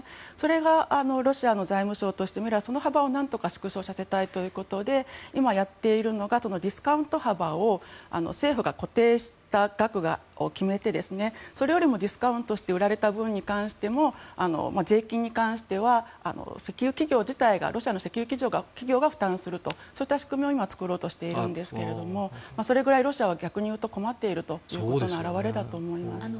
それがロシアの財務省としてその幅を縮小させたいということで今やっているんがディスカウント幅を政府が固定したものを決めてそれよりもディスカウントして売られたものはロシアの石油企業が負担するという仕組みを作ろうとしているんですがそれぐらいロシアは逆に言うと困っているということの表れだと思います。